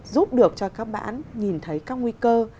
giúp được cho các bạn nhìn thấy các nguy cơ